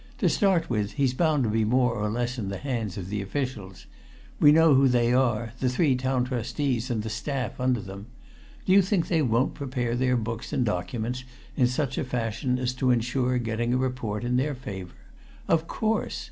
To start with, he's bound to be more or less in the hands of the officials. We know who they are the three Town Trustees and the staff under them. Do you think they won't prepare their books and documents in such a fashion as to ensure getting a report in their favour? Of course!